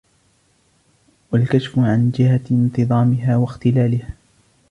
وَالْكَشْفُ عَنْ جِهَةِ انْتِظَامِهَا وَاخْتِلَالِهَا